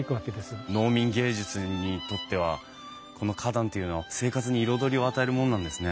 農民藝術にとってはこの花壇っていうのは生活に彩りを与えるもんなんですね。